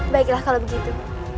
baiklah kalau begitu